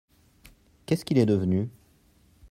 Qu’est-ce qu’il est devenu ?